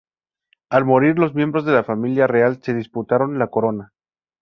Al morir los miembros de la familia real se disputaron la corona.